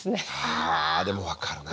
あでも分かるな。